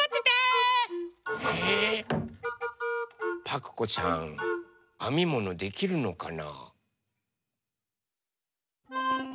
パクこさんあみものできるのかな？